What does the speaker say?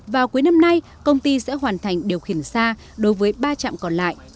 vào cuối năm nay công ty sẽ hoàn thành điều khiển xa đối với ba trạm còn lại